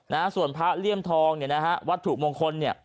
นะฮะส่วนพระเลี่ยมทองเนี่ยนะฮะวัตถุมงคลเนี่ย